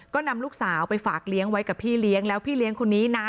ก็นำลูกสาวไปฝากเลี้ยงไว้กับพี่เลี้ยงแล้วพี่เลี้ยงคนนี้นะ